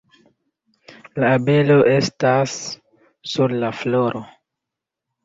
La abelo estas sur la floro